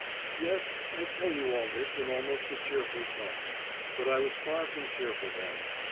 "Yes. I tell you all this in almost a cheerful tone. But I was far from cheerful then.